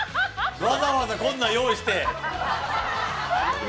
わざわざこんなん用意して。